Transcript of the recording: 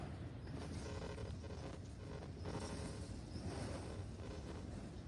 早期拉力赛常穿越阿尔及利亚。